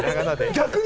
逆に？